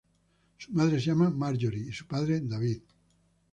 Su madre se llama Marjorie y su padre, David.